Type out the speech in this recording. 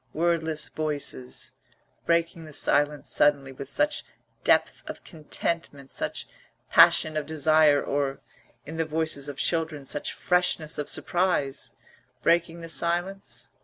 Wordless voices, breaking the silence suddenly with such depth of contentment, such passion of desire, or, in the voices of children, such freshness of surprise; breaking the silence?